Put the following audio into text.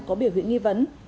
có biểu hiện nghi vấn